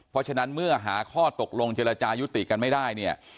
เพราะฉะนั้นเมื่อหาข้อตกลงเจรจายุติกันไม่ได้เนี่ย